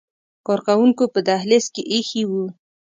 کارکوونکو په دهلیز کې ایښي وو.